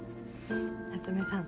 夏目さん